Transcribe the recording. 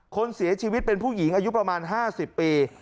คนเสียชีวิตเป็นผู้หญิงอายุประมาณ๕๐ปี